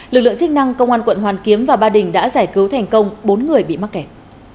lực lượng chức năng công an quận hoàn kiếm và ba đình đã giải cứu thành công bốn người bị mắc kẹt